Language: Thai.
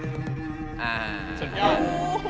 สักอย่างนะครับโอ้โฮอ้าว